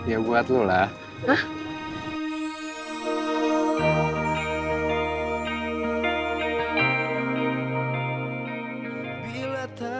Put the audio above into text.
ya buat lo lah